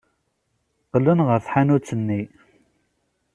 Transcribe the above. Qqlen ɣer tḥanut-nni.